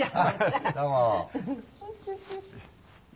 どうも。